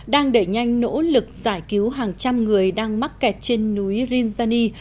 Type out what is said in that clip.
đang đẩy nhanh nỗ lực giải cứu hàng trăm người đang mắc kẹt trên núi rinzani